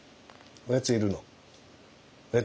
おやついる？